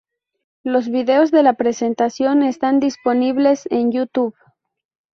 Los videos de la presentación están disponibles en Youtube.